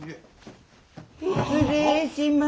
失礼します。